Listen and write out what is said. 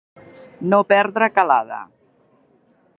No perdre calada.